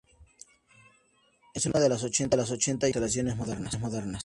Es una de las ochenta y ocho constelaciones modernas.